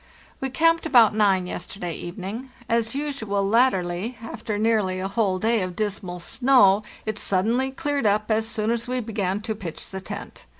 We camped about nine yester day evening. As usual latterly, after nearly a whole day of dismal snow, it suddenly cleared up as soon as we began to pitch the tent.